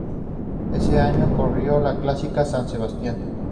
Ese año corrió la Clásica San Sebastián.